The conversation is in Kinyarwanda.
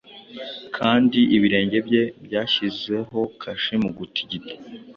Kandi Ibirenge bye byashyizeho kashe Mu gutigita